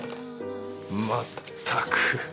まったく。